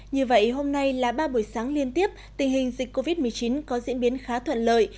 như vậy hôm nay là ba buổi sáng liên tiếp tình hình dịch covid một mươi chín có diễn biến khá thuận lợi